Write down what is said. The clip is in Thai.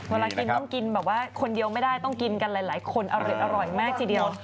เวลากินต้องกินแบบว่าคนเดียวไม่ได้ต้องกินกันหลายคนอร่อยมากทีเดียว